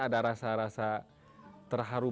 ada rasa rasa terharu